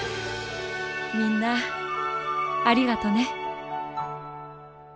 みんなありがとね。